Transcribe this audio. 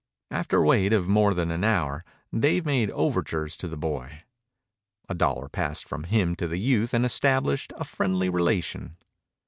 After a wait of more than an hour Dave made overtures to the boy. A dollar passed from him to the youth and established a friendly relation.